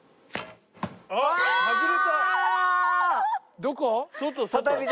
どこ？